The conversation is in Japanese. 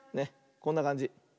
こんなかんじ。